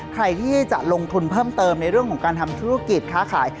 ใครที่จะลงทุนเพิ่มเติมในเรื่องของการทำธุรกิจค้าขาย